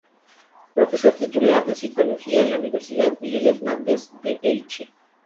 Profesor Titular de Psicología en la Universidad Miguel Hernández de Elche.